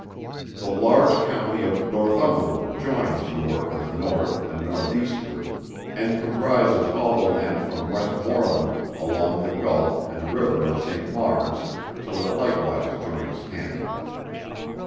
The large County of Northumberland joins York on the North and Northeastward, and comprises all the land from Westmorland, along the Gulf and river of St. Lawrence, till it likewise joins Canada.